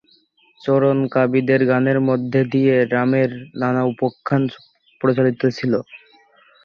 চারণ কবিদের গানের মধ্যে দিয়ে রামের নানা উপাখ্যান প্রচলিত ছিল।